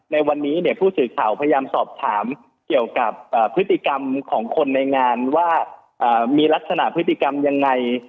ในวันนี้เนี่ยผู้สื่อข่าวพยายามสอบถามเกี่ยวกับพฤติกรรมของคนในงานว่ามีลักษณะพฤติกรรมยังไง